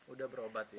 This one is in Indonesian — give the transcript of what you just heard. udah berobat ya